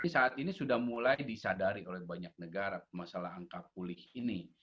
saat ini sudah mulai disadari oleh banyak negara masalah angka pulih ini